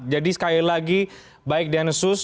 jadi sekali lagi baik densus